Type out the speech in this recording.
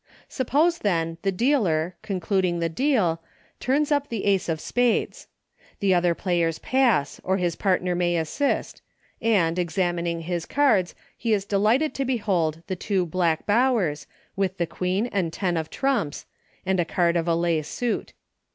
Suppose, then, the dealer, conclu ding the deal, turns up the Ace of spades. The other players pass, or his partner may assist, and, examining his cards, he is delight ed to behold the two black Bowers, with the Queen and ten of trumps, and a card of a lay suit.